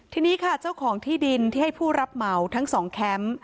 ทีนี้ค่ะเจ้าของที่ดินที่ให้ผู้รับเหมาทั้ง๒แคมป์